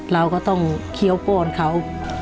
เราก็ต้องเคี้ยวป้อนเขา